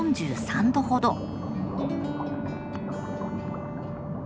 ４３度ほど。